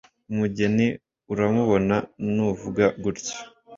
umugeni uramubona nuvuga gutya.